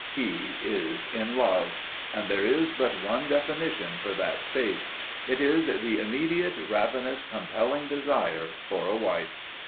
He is in love, and there is but one definition for that state. It is the immediate, ravenous, compelling desire for a wife.